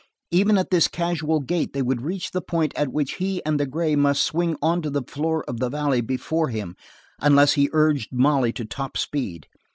Even at this casual gait they would reach the point at which he and the gray must swing onto the floor of the valley before him unless he urged Molly to top speed.